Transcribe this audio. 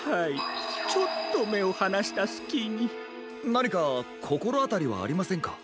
なにかこころあたりはありませんか？